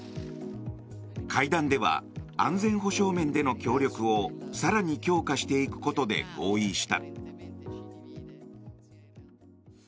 会談では、安全保障面での協力を更に強化していくことで合意した。